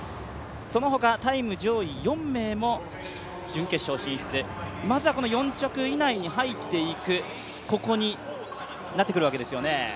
そのほかタイム上位４名も準決勝進出、まずはこの４着以内に入っていく、ここになってくるわけですよね。